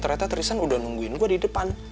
ternyata tristan udah nungguin gua di depan